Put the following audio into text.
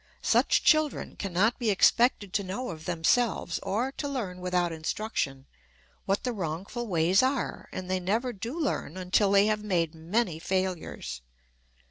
Such children can not be expected to know of themselves, or to learn without instruction, what the wrongful ways are, and they never do learn until they have made many failures.